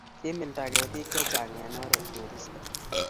kimilda ketik chechang' eng' oret koristo